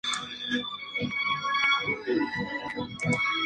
Tiene cinco parques de atracciones y cuatro bandas de música.